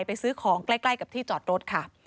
ไปซื้อของใกล้กับที่จอดรถค่ะ